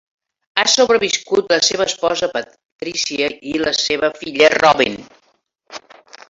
Ha sobreviscut la seva esposa Patrícia i la seva filla Robin.